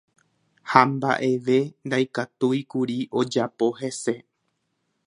Ha mba'eve ndaikatúikuri ojapo hese.